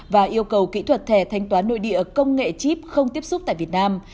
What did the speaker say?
và yêu cầu kỹ thuật thẻ thanh toán nội địa công nghệ chip không tiếp xúc tại việt nam